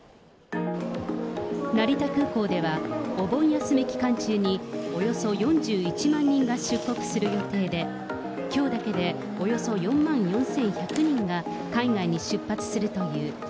成田空港では、お盆休み期間中におよそ４１万人が出国する予定で、きょうだけでおよそ４万４１００人が海外に出発するという。